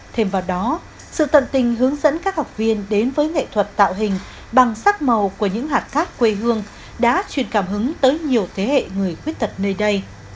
thêm vào đó sự tận tình hướng dẫn các học viên đến với nghệ thuật tạo hình bằng sắc màu của những hạt cát quê hương đã truyền cảm hứng tới nhiều thế hệ người khuyết tật nơi đây